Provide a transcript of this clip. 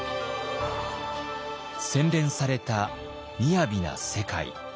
洗練されたみやびな世界。